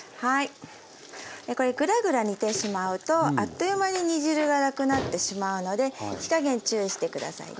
これグラグラ煮てしまうとあっという間に煮汁がなくなってしまうので火加減注意して下さいね。